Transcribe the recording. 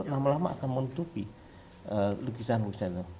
lama lama akan menutupi lukisan lukisannya